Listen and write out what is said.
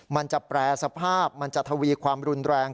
มันจะแปรสภาพมันจะทวีความรุนแรง